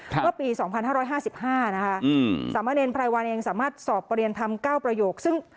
ครับว่าปีสองพันห้าร้อยห้าสิบห้านะคะอืมสามเงินภัยวันเองสามารถสอบประเรียนธรรมเก้าประโยคซึ่ง